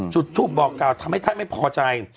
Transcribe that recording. จุดทูปบอกกล่าวทำให้ท่านไม่พอใจ